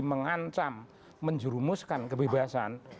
menghancam menjerumuskan kebebasan